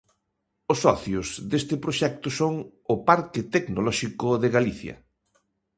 Os socios deste proxecto son: o Parque Tecnolóxico de Galicia.